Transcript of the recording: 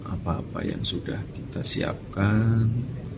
apa apa yang sudah kita siapkan